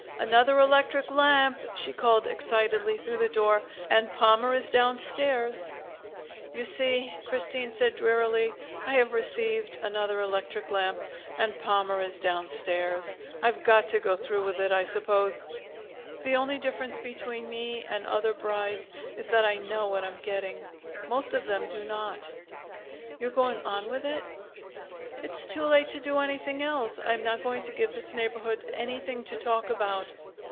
"Another electric lamp," she called excitedly through the door. "And Palmer is downstairs." "You see," Christine said drearily. "I have received another electric lamp, and Palmer is downstairs! I've got to go through with it, I suppose. The only difference between me and other brides is that I know what I'm getting. Most of them do not." "You're going on with it?" "It's too late to do anything else. I am not going to give this neighborhood anything to talk about."